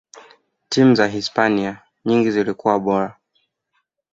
timu za hispania nyingi zilikuwa bora